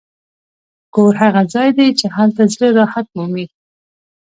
کور هغه ځای دی چې هلته زړه راحت مومي.